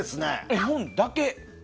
絵本だけ？